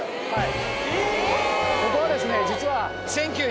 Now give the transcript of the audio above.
はい。